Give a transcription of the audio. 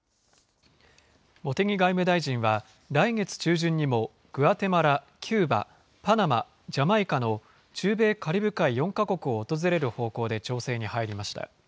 茂木外務大臣は、来月中旬にもグアテマラ、キューバ、パナマ、ジャマイカの中米・カリブ海４か国を訪れる方向で調整に入りました。